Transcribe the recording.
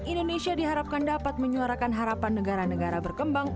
indonesia diharapkan dapat menyuarakan harapan negara negara berkembang